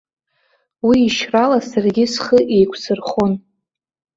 Уи ишьрала саргьы схы еиқәсырхон.